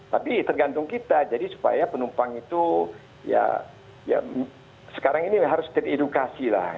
tapi tergantung kita jadi supaya penumpang itu ya sekarang ini harus teredukasi lah